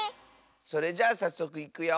それじゃあさっそくいくよ。